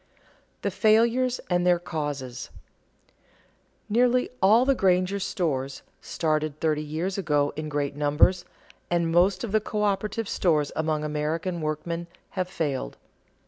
[Sidenote: The failures and their causes] Nearly all the Granger stores, started thirty years ago in great numbers, and most of the coöperative stores among American workmen, have failed.